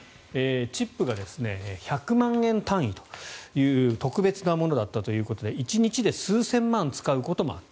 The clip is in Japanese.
チップが１００万円単位という特別なものだったということで１日で数千万使うこともあった。